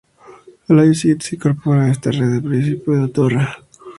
Al año siguiente, se incorpora a esta red el municipio de Ondarroa.